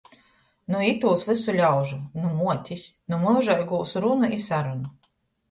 Nu itūs vysu ļaužu. Nu muotis. Nu myužeigūs runu i sarunu.